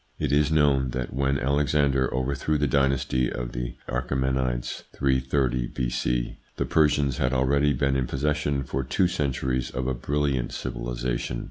It is known that when Alexander overthrew the dynasty of the Achae menides, 330 B.C., the Persians had already been in possession for two centuries of a brilliant civilisation.